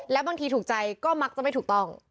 และบางทีถูกใจก็มักจะไม่ถูกต้อง